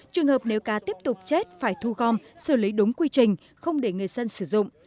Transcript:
trường hợp nếu cá tiếp tục chết phải thu gom xử lý đúng quy trình không để người dân sử dụng